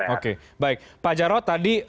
oke baik pak jarod tadi